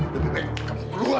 lebih baik kamu keluar